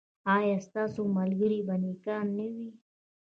ایا ستاسو ملګري به نیکان نه وي؟